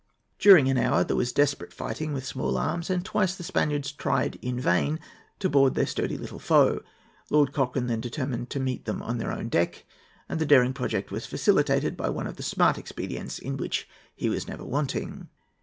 During an hour there was desperate fighting with small arms, and twice the Spaniards tried in vain to board their sturdy little foe. Lord Cochrane then determined to meet them on their own deck, and the daring project was facilitated by one of the smart expedients in which he was never wanting.